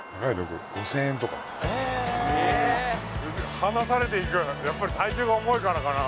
離されていくやっぱり体重が重いからからな。